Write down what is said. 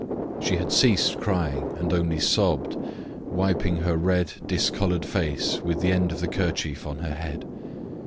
She had ceased crying and only sobbed, wiping her red, discoloured face with the end of the kerchief on her head.